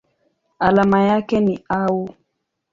Alama yake ni Au.